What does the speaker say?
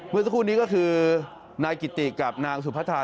เมื่อสักครู่นี้ก็คือนายกิติกับนางสุพัทธา